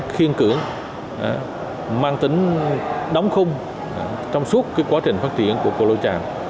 khiên cứng mang tính đóng khung trong suốt quá trình phát triển của cù lao chàm